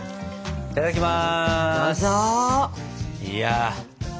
いただきます。